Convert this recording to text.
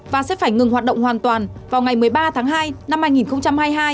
và sẽ phải ngừng hoạt động hoàn toàn vào ngày một mươi ba tháng hai năm hai nghìn hai mươi hai